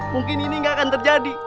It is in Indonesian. mungkin ini nggak akan terjadi